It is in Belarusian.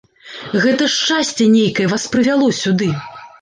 Гэта шчасце нейкае вас прывяло сюды.